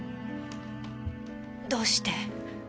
どうして？